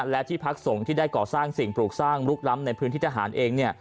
และที่พักสงฆ์ที่ได้ก่อสร้างสิ่งปลูกสร้างลุกล้ำในพื้นที่ทหารเอง